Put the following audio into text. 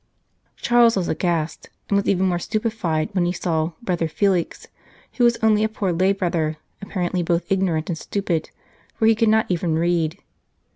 Charles was aghast, and was even more stupefied when he saw " Brother Felix," who was only a poor lay brother, apparently both ignorant and stupid, for he could not even read.